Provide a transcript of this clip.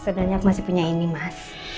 sebenarnya masih punya ini mas